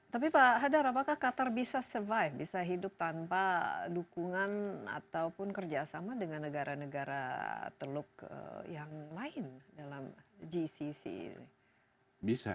tapi pak hadar apakah qatar bisa survive bisa hidup tanpa dukungan ataupun kerjasama dengan negara negara teluk yang lain dalam gcc ini